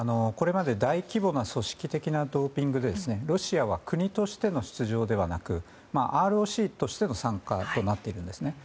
これまで大規模な組織的なドーピングでロシアは国としての出場ではなくＲＯＣとしての参加となっています。